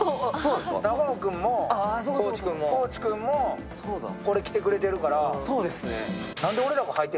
長尾君も高地君もこれ来てくれてるから。